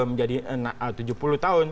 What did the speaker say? menjadi tujuh puluh tahun